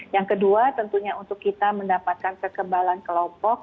yang kedua tentunya untuk kita mendapatkan kekebalan kelompok